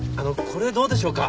これどうでしょうか？